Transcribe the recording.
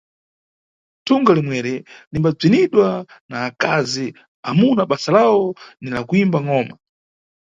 Thunga limweri limbabziniwa na akazi, amuna basa lawo ni la kuyimba ngʼoma.